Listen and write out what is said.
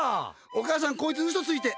お母さん、こいつウソついて。